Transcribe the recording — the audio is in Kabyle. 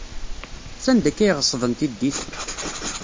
Sanda akka ay ɣeṣben tiddit?